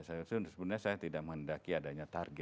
sebenarnya saya tidak menghendaki adanya target target